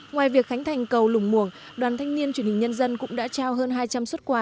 ngoài việc khánh thành cầu lùng muồng đoàn thanh niên truyền hình nhân dân cũng đã trao hơn hai trăm linh xuất quà